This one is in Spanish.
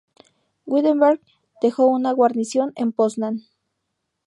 Wittenberg dejó una guarnición en Poznan.